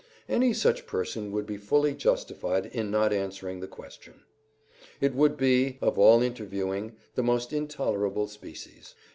Any such person would be fully justified in not answering the question. It would be, of all interviewing, the most intolerable species.